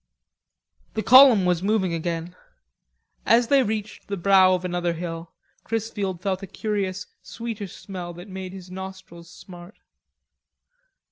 The column was moving again; as they reached the brow of another hill Chrisfield felt a curious sweetish smell that made his nostrils smart.